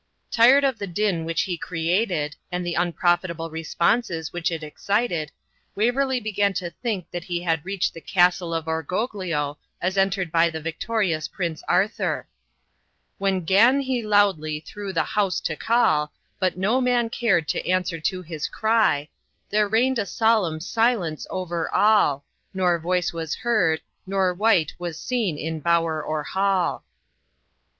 Tired of the din which he created, and the unprofitable responses which it excited, Waverley began to think that he had reached the castle of Orgoglio as entered by the victorious Prince Arthur, When 'gan he loudly through the house to call, But no man cared to answer to his cry; There reign'd a solemn silence over all, Nor voice was heard, nor wight was seen in bower or hall.